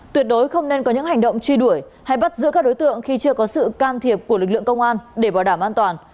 tuyệt đối không nên có những hành động truy đuổi hay bắt giữ các đối tượng khi chưa có sự can thiệp của lực lượng công an để bảo đảm an toàn